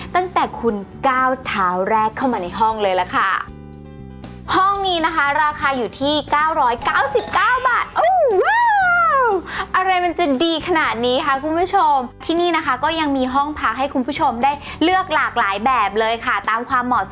ตั้งแต่คุณก้าวเท้าแรกเข้ามาในห้องเลยล่ะค่ะ